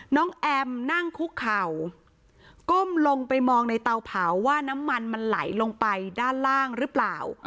แอมนั่งคุกเข่าก้มลงไปมองในเตาเผาว่าน้ำมันมันไหลลงไปด้านล่างหรือเปล่า